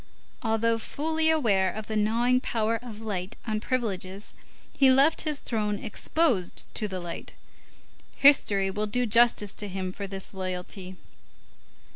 Although fully aware of the gnawing power of light on privileges, he left his throne exposed to the light. History will do justice to him for this loyalty.